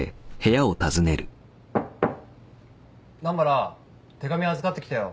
南原手紙預かってきたよ。